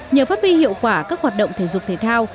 nhờ phát bi hiệu quả các hoạt động thể dục thể thao